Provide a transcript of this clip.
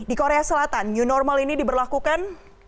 di korea selatan new normal ini diberlakukan